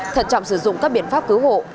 thật chậm sử dụng các biện pháp cứu hộ